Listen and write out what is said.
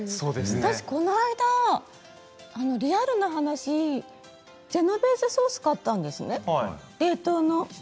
私、この間リアルな話ジェノベーゼソースを買ったんですね冷凍の。